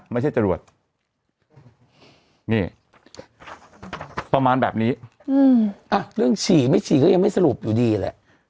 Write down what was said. จรวดนี่ประมาณแบบนี้เรื่องฉี่ไม่ฉี่ก็ยังไม่สรุปอยู่ดีแหละ